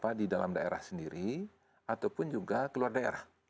apa di dalam daerah sendiri ataupun juga keluar daerah